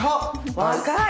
若い！